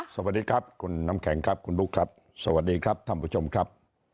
สวัสดีครับคุณน้ำแข็งครับคุณบุ๊คครับสวัสดีครับท่านผู้ชมครับ